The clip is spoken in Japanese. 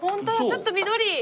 ちょっと緑。